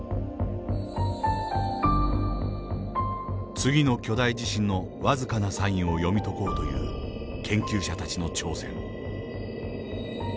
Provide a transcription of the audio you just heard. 次の巨大地震の僅かなサインを読み解こうという研究者たちの挑戦。